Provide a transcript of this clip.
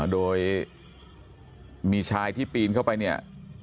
โดยมีชายที่ปีนเข้าไปเนี่ย